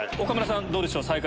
岡村さんどうでしょう？